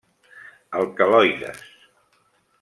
Alcaloides.